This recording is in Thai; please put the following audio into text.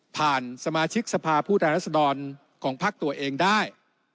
ผ่านสมาชิกสภาพูดายรัฐดรรณของภักดิ์ตัวเองได้